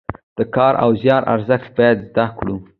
د کار او زیار ارزښت باید زده کړو.